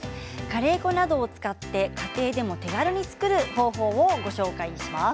カレー粉などを使って家庭でも手軽に作る方法をご紹介します。